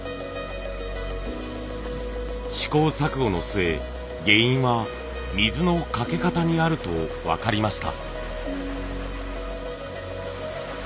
試行錯誤の末原因は水のかけ方にあると分かりました。